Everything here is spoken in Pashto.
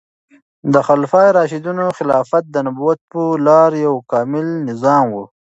د خلفای راشدینو خلافت د نبوت په لاره یو کامل نظام و.